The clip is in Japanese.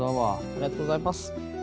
ありがとうございます。